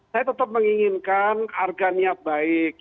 saya tetap menginginkan arganiat baik